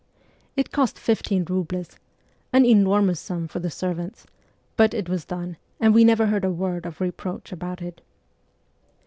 It cost fifteen roubles an enormous sum for the servants ; but it was done, and we never heard a word of reproach about it.